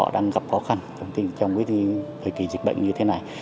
đang gặp khó khăn trong thời kỳ dịch bệnh như thế này